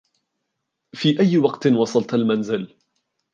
في أي وقت وصلت المنزل؟